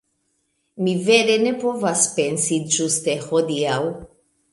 Mi vere ne povas pensi ĝuste hodiaŭ